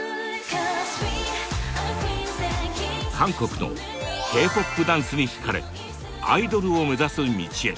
韓国のＫ−ＰＯＰダンスに引かれアイドルを目指す道へ。